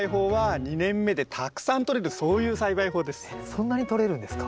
そんなにとれるんですか？